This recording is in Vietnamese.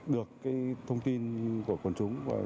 được thông tin của quần chúng